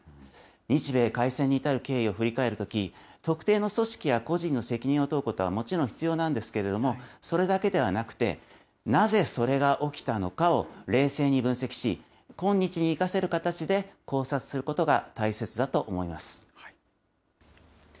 日米開戦に至る経緯を振り返るとき、特定の組織や個人の責任を問うことはもちろん必要なんですけれども、それだけではなくて、なぜそれが起きたのかを冷静に分析し、今日に行かせる形で考察することが大切だと思います。